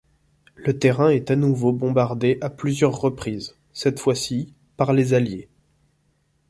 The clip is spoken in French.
Le terrain est à nouveau bombardé à plusieurs reprises, cette fois-ci, par les alliés.